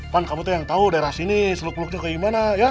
kan kamu tuh yang tau daerah sini seluk seluknya kayak gimana ya